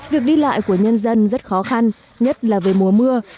việc đi lại của nhân dân rất khó khăn nhất là về mùa mưa